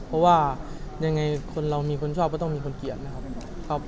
เพราะว่าแยงไงคนเรามีคนชอบก็มีคนเกียรตินะครับ